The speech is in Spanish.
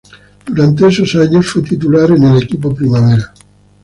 Durante esos años fue titular en el equipo Primavera.